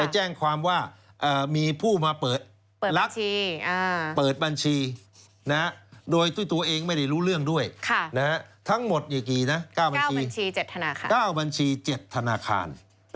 ไปแจ้งความว่ามีผู้มาเปิดลักษณ์เปิดบัญชีนะฮะโดยตัวเองไม่ได้รู้เรื่องด้วยนะฮะทั้งหมดอย่างกี่นะ๙บัญชี๗ธนาคาร